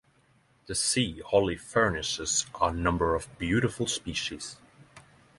The sea holly furnishes a number of beautiful species.